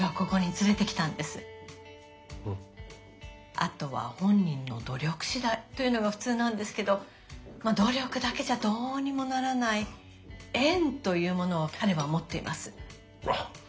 あとは本人の努力しだいというのが普通なんですけどまあ努力だけじゃどうにもならない縁というものを彼は持っています。